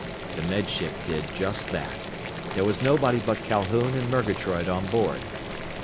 The Med Ship did just that. There was nobody but Calhoun and Murgatroyd on board.